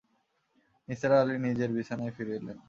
নিসার আলি নিজের বিছানায় ফিরে এলেন।